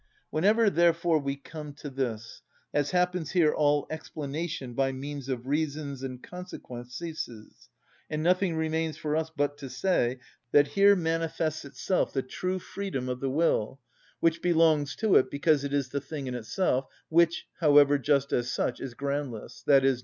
Whenever, therefore, we come to this, as happens here, all explanation by means of reasons and consequents ceases, and nothing remains for us but to say that here manifests itself the true freedom of the will, which belongs to it because it is the thing in itself, which, however, just as such, is groundless, _i.e.